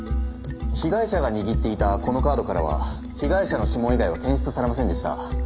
被害者が握っていたこのカードからは被害者の指紋以外は検出されませんでした。